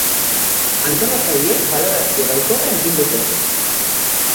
Antolatzaileek balorazio baikorra egin dute.